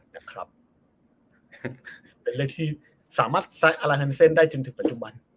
เป็นเรื่องที่สามารถแฮนเซ็นซ์ได้จนถึงปัจจุบัน